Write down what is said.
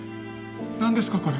何ですか？